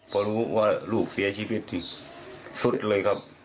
พอรู้ว่าลูกเสียชีวิตสุดเลยครับ